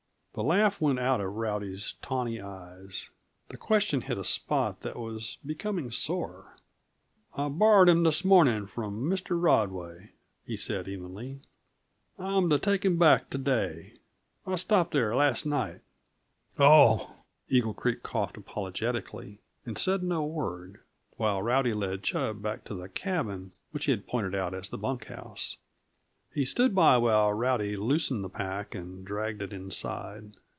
The laugh went out of Rowdy's tawny eyes. The question hit a spot that was becoming sore. "I borrowed him this morning from Mr. Rodway," he said evenly. "I'm to take him back to day. I stopped there last night." "Oh!" Eagle Creek coughed apologetically, and said no word, while Rowdy led Chub back to the cabin which he had pointed out as the bunk house; he stood by while Rowdy loosened the pack and dragged it inside.